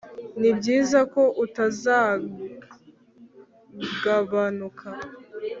Nibyiza ko utazagabanuka